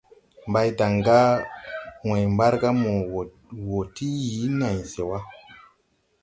Mbaydan gà wãy Mbargā mo wɔɔ ti yii pay se wa.